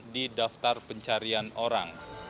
di daftar pencarian orang